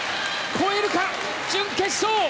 越えるか、準決勝。